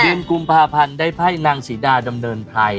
เดือนกุมพาพันธ์ได้ไฟ้นังสีดาดำเดินไพร